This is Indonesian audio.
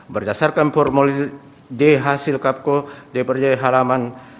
berdasarkan formulir d hasil kapko dpd halaman